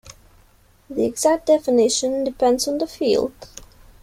The exact definition depends on the field.